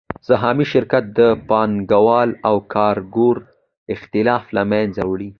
سهامي شرکت د پانګوال او کارګر اختلاف له منځه وړي